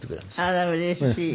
あらうれしい。